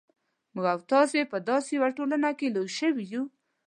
موږ او تاسې په داسې یوه ټولنه کې لوی شوي یو.